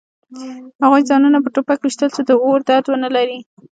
هغوی ځانونه په ټوپک ویشتل چې د اور درد ونلري